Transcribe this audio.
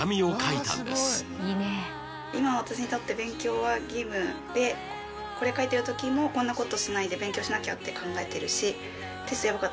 はいそう「これ書いてるときもこんなことしないで」「勉強しなきゃって考えてるし」